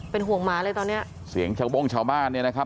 เป็นห่วงหมาเลยตอนเนี้ยเสียงชาวโบ้งชาวบ้านเนี่ยนะครับ